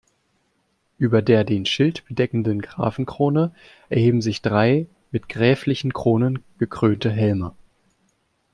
Über der den Schild bedeckenden Grafenkrone erheben sich drei mit gräflichen Kronen gekrönte Helme.